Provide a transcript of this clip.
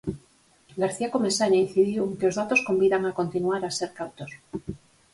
García Comesaña incidiu en que os datos convidan a continuar a ser cautos.